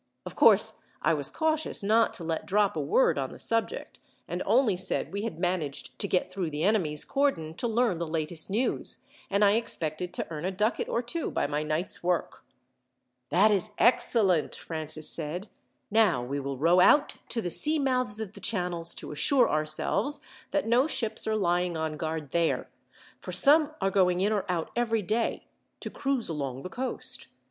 Of course, I was cautious not to let drop a word on the subject, and only said we had managed to get through the enemy's cordon to learn the latest news, and I expected to earn a ducat or two by my night's work." "That is excellent," Francis said. "Now, we will row out to the sea mouths of the channels, to assure ourselves that no ships are lying on guard there, for some are going in or out every day to cruise along the coast.